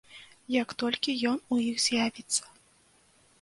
Як толькі ён у іх з'явіцца.